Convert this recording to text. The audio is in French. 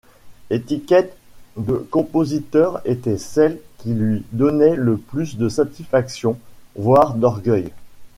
L'étiquette de compositeur était celle qui lui donnait le plus de satisfaction, voire d'orgueil.